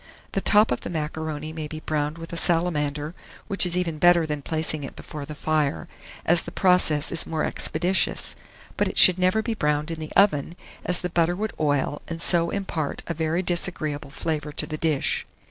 The top of the macaroni may be browned with a salamander, which is even better than placing it before the fire, as the process is more expeditious; but it should never be browned in the oven, as the butter would oil, and so impart a very disagreeable flavour to the dish.